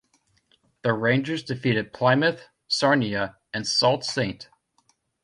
The Rangers defeated Plymouth, Sarnia and Sault Ste.